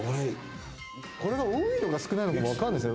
これが多いのか少ないのかも分かんないです。